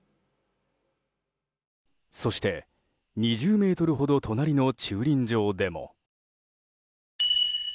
そして２０ｍほど隣の駐輪場でも。